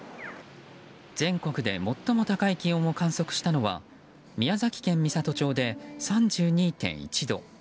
全国で最も高い気温を観測したのは宮崎県美郷町で３２．１度。